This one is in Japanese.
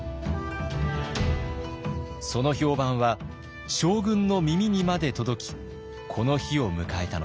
その評判は将軍の耳にまで届きこの日を迎えたのです。